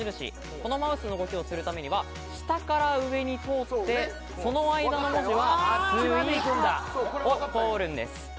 このマウスの動きをするためには下から上に通ってその間の文字はすいかを通るんです。